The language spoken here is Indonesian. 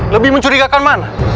lebih mencurigakan mana